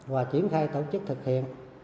và triển khai tổ chức thực hiện